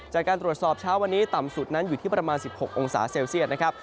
จากการตรวจสอบเช้าวันนี้ต่ำสุดนั้นอยู่ที่ประมาณ๑๖องศาเซลเซียตนะครับ